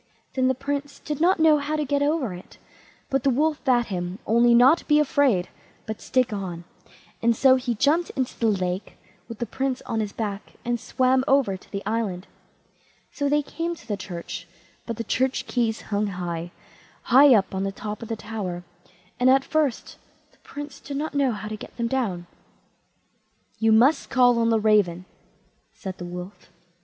Then the Prince did not know how to get over it, but the Wolf bade him only not be afraid, but stick on, and so he jumped into the lake with the Prince on his back, and swam over to the island. So they came to the church; but the church keys hung high, high up on the top of the tower, and at first the Prince did not know how to get them down. "You must call on the raven", said the Wolf.